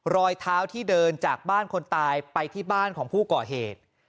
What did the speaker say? รอยเท้าที่เดินจากบ้านคนตายไปที่บ้านของผู้ก่อเหตุ